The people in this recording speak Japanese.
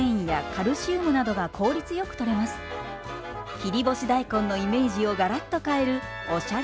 切り干し大根のイメージをガラッと変えるおしゃれ